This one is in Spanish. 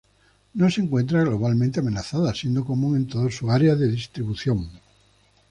No se encuentra globalmente amenazada, siendo común en toda su área de distribución.